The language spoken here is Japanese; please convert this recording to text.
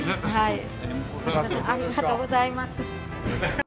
ありがとうございます。